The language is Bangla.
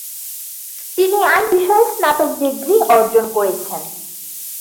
তিনি আইন বিষয়ে স্নাতক ডিগ্রি অর্জন করেছেন।